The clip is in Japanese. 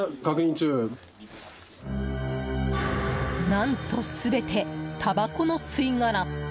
何と、全てたばこの吸い殻。